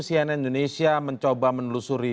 cnn indonesia mencoba menelusuri